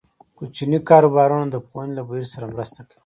کوچني کاروبارونه د پوهنې له بهیر سره مرسته کوي.